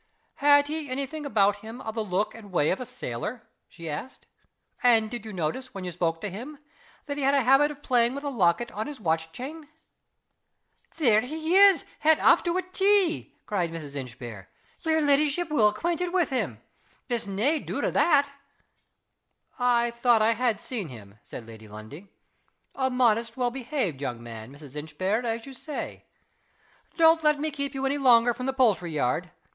"Had he any thing about him of the look and way of a sailor?" she asked. "And did you notice, when you spoke to him, that he had a habit of playing with a locket on his watch chain?" "There he is, het aff to a T!" cried Mrs. Inchbare. "Yer leddyship's weel acquented wi' him there's nae doot o' that." "I thought I had seen him," said Lady Lundie. "A modest, well behaved young man, Mrs. Inchbare, as you say. Don't let me keep you any longer from the poultry yard.